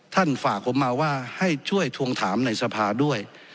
ฝากผมมาว่าให้ช่วยทวงถามในสภาด้วย